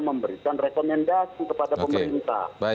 memberikan rekomendasi kepada pemerintah